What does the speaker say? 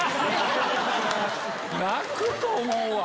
泣くと思うわ。